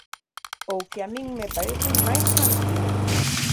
Ou que a min me parece máis tranquila.